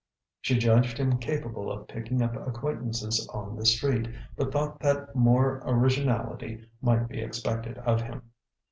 She judged him capable of picking up acquaintances on the street, but thought that more originality might be expected of him.